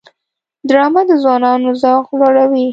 ډرامه د ځوانانو ذوق لوړوي